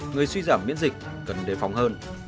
người suy giảm miễn dịch cần đề phòng hơn